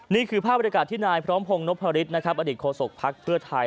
นี่คือภาพบริการที่นายพร้อมพงศ์นพฤษนะครับอดีตโฆษกภักดิ์เพื่อไทย